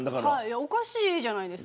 おかしいじゃないですか。